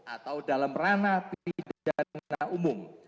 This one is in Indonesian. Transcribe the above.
atau dalam ranah pidana umum